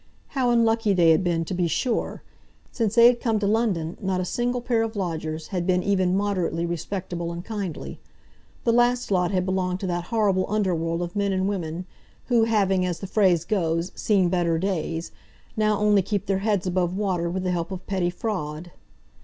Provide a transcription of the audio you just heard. How unlucky they had been, to be sure! Since they had come to London not a single pair of lodgers had been even moderately respectable and kindly. The last lot had belonged to that horrible underworld of men and women who, having, as the phrase goes, seen better days, now only keep their heads above water with the help of petty fraud.